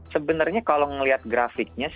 sebenarnya kalau ngeliat grafiknya